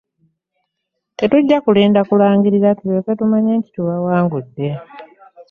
tetujja kulinda kulangirira tulyoke tumanye nti tubawangudde.